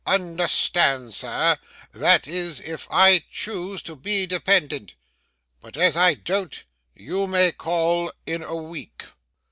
Understand, sir, that is if I chose to be dependent; but as I don't, you may call in a week.